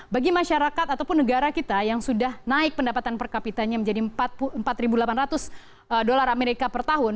bagi masyarakat ataupun negara kita yang sudah naik pendapatan per kapitanya menjadi empat delapan ratus dolar amerika per tahun